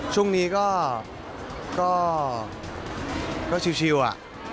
ช่วงนี้ก็ชิวอะ